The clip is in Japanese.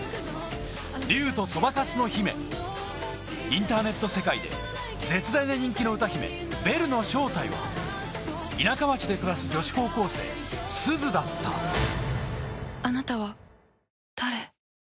インターネット世界で絶大な人気の歌姫ベルの正体は田舎町で暮らす女子高校生すずだったあなたは誰？